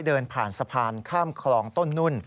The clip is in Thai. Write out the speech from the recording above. เดินผ่านสะพานข้ามคลองต้นนุ่น